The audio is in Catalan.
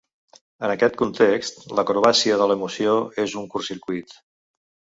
En aquest context l'acrobàcia de l'emoció és un curtcircuit.